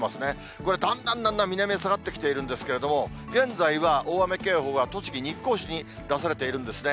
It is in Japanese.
これ、だんだんだんだん南へ下がってきているんですけれども、現在は大雨警報は栃木・日光市に出されているんですね。